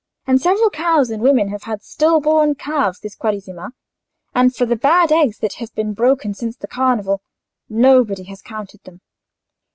And several cows and women have had still born calves this Quaresima; and for the bad eggs that have been broken since the Carnival, nobody has counted them.